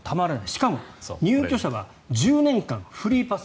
しかも入居者は１０年間フリーパス。